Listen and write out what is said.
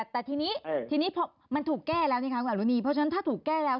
แต่ทีนี้ทีนี้พอมันถูกแก้แล้วนี่ค่ะคุณอรุณีเพราะฉะนั้นถ้าถูกแก้แล้ว